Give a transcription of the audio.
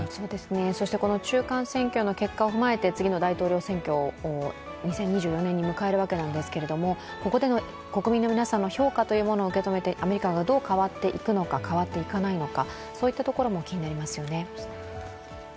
そして中間選挙の結果を踏まえて次の大統領選挙２０２４年を迎えるわけなんですけれどもここでの国民の皆さんの評価というものを受け止めてアメリカがどう変わっていくのか、変わっていかないのかそういったところも気になりますよね。